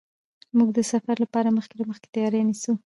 موږ د سفر لپاره مخکې له مخکې تیاری نیسو.